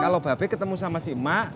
kalau babe ketemu sama si emak